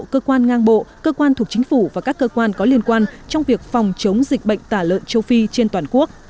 cơ quan ngang bộ cơ quan thuộc chính phủ và các cơ quan có liên quan trong việc phòng chống dịch bệnh tả lợn châu phi trên toàn quốc